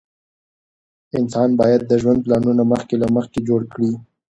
انسان باید د ژوند پلانونه مخکې له مخکې جوړ کړي.